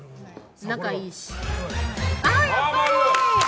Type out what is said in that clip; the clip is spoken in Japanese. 仲いいし。